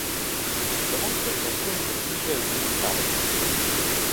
Давайце абмяркуем гэта ніжэй у каментарыях.